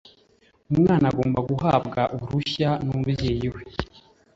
umwana agomba guhabwa uruhushya n’umubyeyi we